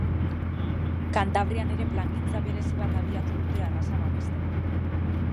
Kantabrian ere plangintza berezi bat abiatu dute arraza babesteko.